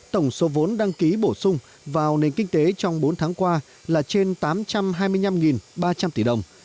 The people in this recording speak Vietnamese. tổng số vốn đăng ký bổ sung vào nền kinh tế trong bốn tháng qua là trên tám trăm hai mươi năm ba trăm linh tỷ đồng